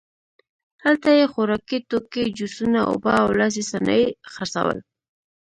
هلته یې خوراکي توکي، جوسونه، اوبه او لاسي صنایع خرڅول.